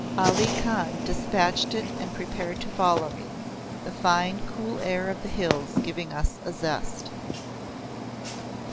Ali Khan despatched it and prepared to follow me, the fine cool air of the hills giving us a zest.